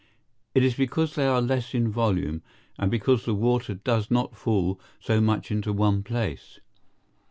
It is because they are less in volume, and because the water does not fall so much into one place.